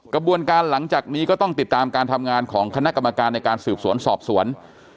กระบวนการหลังจากนี้ก็ต้องติดตามการทำงานของคณะกรรมการในการสืบสวนสอบสวน